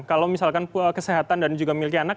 kalau misalkan kesehatan dan juga miliki anak